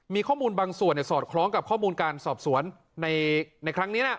มีข้อมูลบางส่วนสอดคล้องกับข้อมูลการสอบสวนในครั้งนี้นะ